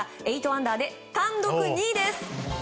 ８アンダーで単独２位です。